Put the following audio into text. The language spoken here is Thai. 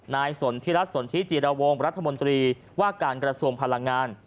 สนทิรัฐสนทิจิรวงรัฐมนตรีว่าการกระทรวงพลังงาน